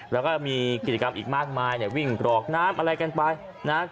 แล้วก็มีกิจกรรมอีกมากมายเนี่ยวิ่งกรอกน้ำอะไรกันไปนะครับ